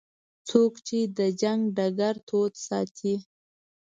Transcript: څوک چې د جنګ ډګر تود ساتي.